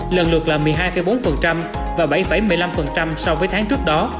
lần lượt là một mươi hai bốn và bảy một mươi năm sau